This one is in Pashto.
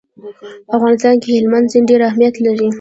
په افغانستان کې هلمند سیند ډېر اهمیت لري.